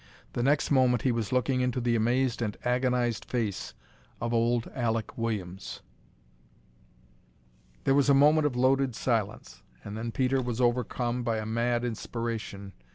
The next moment he was looking into the amazed and agonized face of old Alek Williams. There was a moment of loaded silence, and then Peter was overcome by a mad inspiration.